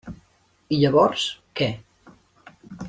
I llavors, què?